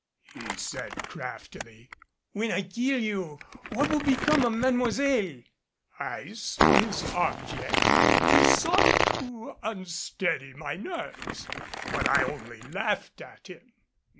he said craftily. "When I kill you, what will become of Mademoiselle?" I saw his object. He sought to unsteady my nerves. But I only laughed at him.